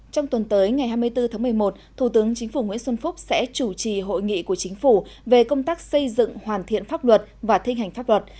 trong tuần tới ngày hai mươi bốn tháng một mươi một thủ tướng chính phủ nguyễn xuân phúc sẽ chủ trì hội nghị của chính phủ về công tác xây dựng hoàn thiện pháp luật và thi hành pháp luật